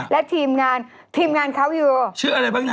และทีมงานเทียบงานเขาอยู่